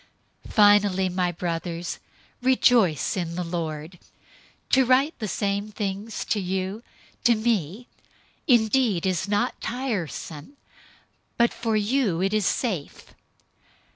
003:001 Finally, my brothers, rejoice in the Lord. To write the same things to you, to me indeed is not tiresome, but for you it is safe.